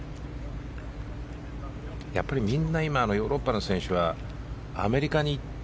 やっぱりみんなヨーロッパの選手はアメリカに行って。